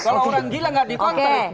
kalau orang gila gak di konter